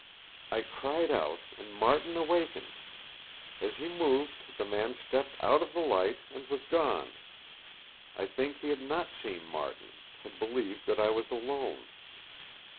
"I cried out and Martin awakened. As he moved, the man stepped out of the light and was gone. I think he had not seen Martin; had believed that I was alone.